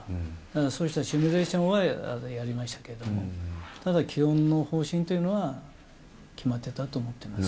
そうしたシミュレーションはやりましたけれども、ただ、基本の方針というのは決まってたと思ってます。